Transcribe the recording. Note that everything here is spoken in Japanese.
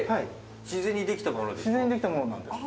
「自然にできたものなんです」